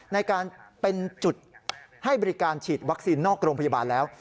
ในการเป็นจุดให้บริการฉีดวัคซีนนอกโรงพยาบาลแล้ว